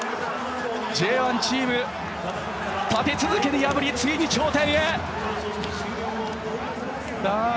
Ｊ１チームを立て続けに破りついに頂点へ！